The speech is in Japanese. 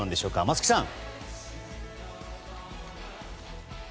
松木さん。